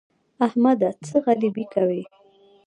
احمده! څه غريبي کوې؟